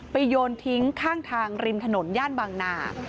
โยนทิ้งข้างทางริมถนนย่านบางนา